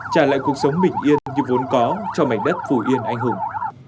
trả lại cuộc sống bình yên như vốn có cho mảnh đất phù yên anh hùng